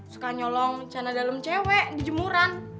suka nyolong cana dalam cewek dijemuran